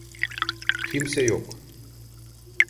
Kimse yok.